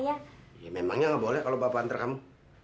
ya memangnya nggak boleh kalau bapak anter kamu